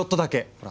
ほら。